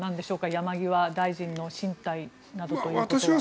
山際大臣の進退などということは。